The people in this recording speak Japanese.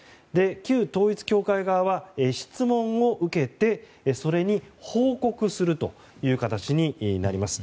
旧統一教会側は、質問を受けてそれに報告するという形になります。